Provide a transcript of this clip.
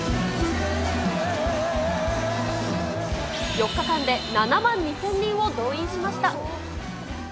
４日間で７万２０００人を動員しました。